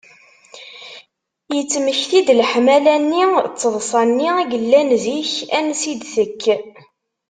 yettmekti-d leḥmala-nni d teḍsa-nni i yellan zik ansi ara d-tekk?